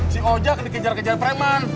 si ojek dikejar kejar preman